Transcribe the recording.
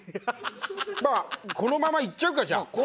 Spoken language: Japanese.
まあこのままいっちゃうかじゃあ。